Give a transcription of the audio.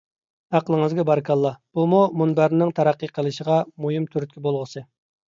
ئەقلىڭىزگە بارىكاللا! بۇمۇ مۇنبەرنىڭ تەرەققىي قىلىشىغا مۇھىم تۈرتكە بولغۇسى.